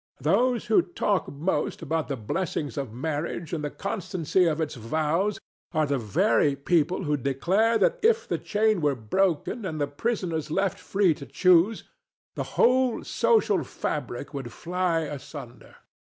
Those who talk most about the blessings of marriage and the constancy of its vows are the very people who declare that if the chain were broken and the prisoners left free to choose, the whole social fabric would fly asunder.